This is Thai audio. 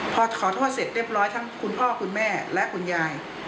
พอขอโทษเสร็จเรียบร้อยทั้งคุณพ่อคุณแม่และคุณยาย